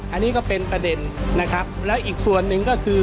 อันนี้ก็เป็นประเด็นนะครับแล้วอีกส่วนหนึ่งก็คือ